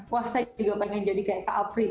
wah saya juga pengen jadi kayak apri